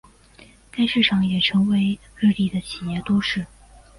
该市场也成为日立的的企业都市。